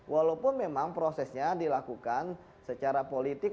walaupun memang prosesnya dilakukan secara politik